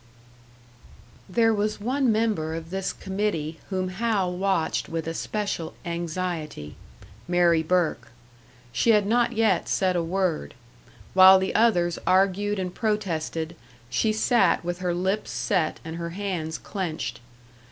There was one member of this committee whom Hal watched with especial anxiety Mary Burke. She had not yet said a word; while the others argued and protested, she sat with her lips set and her hands clenched.